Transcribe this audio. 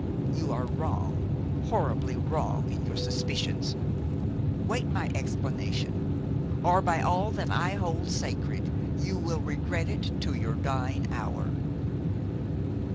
You are wrong, horribly wrong, in your suspicions. Wait my explanation, or by all that I hold sacred, you will regret it to your dying hour!"